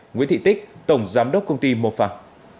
nguyễn thị tích tổng giám đốc công ty một phạm